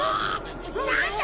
なんだ？